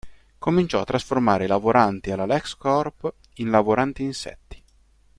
Cominciò anche a trasformare i lavoranti alla LexCorp in lavoranti insetti.